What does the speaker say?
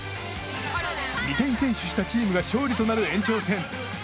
２点先取したチームが勝利となる延長戦